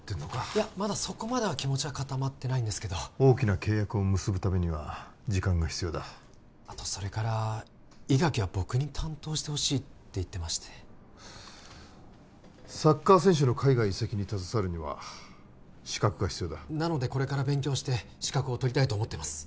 いやまだそこまでは気持ちは固まってないんですけど大きな契約を結ぶためには時間が必要だあとそれから伊垣は僕に担当してほしいって言ってましてサッカー選手の海外移籍に携わるには資格が必要だなのでこれから勉強して資格を取りたいと思ってます